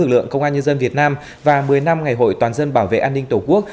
lực lượng công an nhân dân việt nam và một mươi năm ngày hội toàn dân bảo vệ an ninh tổ quốc